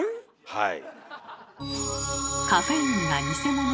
はい。